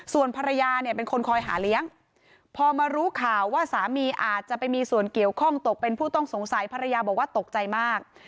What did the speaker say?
ส่วนภรรยาเนี่ยเป็นคนคอยหาเลี้ยงพอมารู้ข่าวว่าสามีอาจจะไปมีส่วนเกี่ยวข้องตกเป็นผู้ต้องสงสัยภรรยาบอกว่าตกใจมาก